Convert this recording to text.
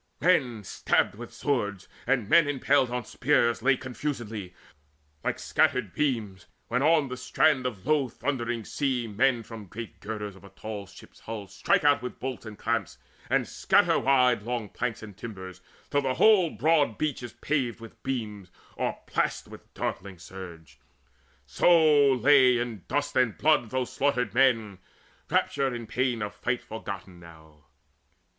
Men stabbed with swords, and men impaled on spears Lay all confusedly, like scattered beams, When on the strand of the low thundering sea Men from great girders of a tall ship's hull Strike out the bolts and clamps, and scatter wide Long planks and timbers, till the whole broad beach Is paved with beams o'erplashed by darkling surge; So lay in dust and blood those slaughtered men, Rapture and pain of fight forgotten now.